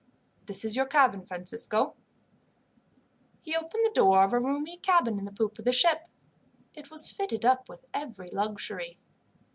"This is your cabin, Francisco." He opened the door of a roomy cabin in the poop of the ship. It was fitted up with every luxury.